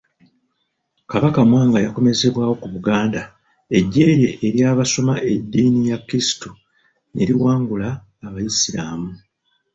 Kabaka Mwanga yakomezebwawo ku Buganda, eggye lye ery'abasoma eddiini ya Kristu ne liwangula Abaisiraamu.